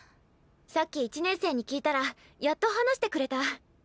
さっき１年生に聞いたらやっと話してくれた。